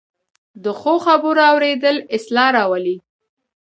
د ښو خبرو اورېدل اصلاح راولي